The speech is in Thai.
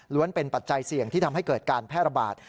เป็นปัจจัยเสี่ยงที่ทำให้เกิดการแพร่ระบาด